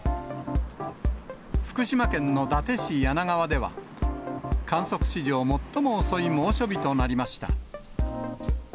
福島県の伊達市梁川では、観測史上最も遅い猛暑日となりました。